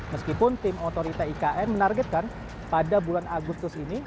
meskipun tim otorita ikn menargetkan pada bulan agustus ini